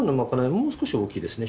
もう少し大きいですね